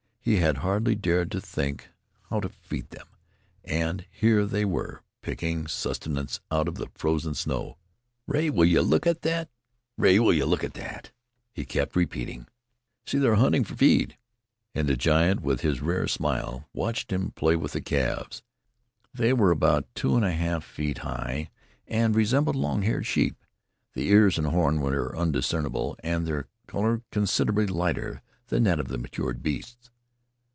He had hardly dared to think how to feed them, and here they were picking sustenance out of the frozen snow. "Rea, will you look at that! Rea, will you look at that!" he kept repeating. "See, they're hunting, feed." And the giant, with his rare smile, watched him play with the calves. They were about two and a half feet high, and resembled long haired sheep. The ears and horns were undiscernible, and their color considerably lighter than that of the matured beasts.